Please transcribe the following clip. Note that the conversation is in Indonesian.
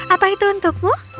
apa itu untukmu